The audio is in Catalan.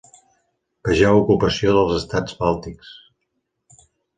Vegeu Ocupació dels estats bàltics.